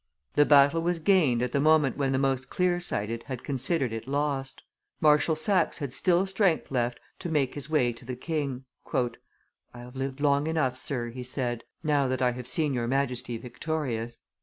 The battle was gained at the moment when the most clear sighted had considered it lost. Marshal Saxe had still strength left to make his way to the king. "I have lived long enough, sir," he said, "now that I have seen your Majesty victorious.